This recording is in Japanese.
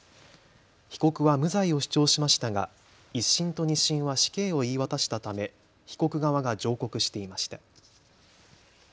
被告は無罪を主張しましたが１審と２審は死刑を言い渡したため被告側が上告していました。